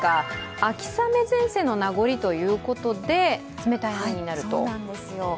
秋雨前線のなごりということで冷たい雨になると。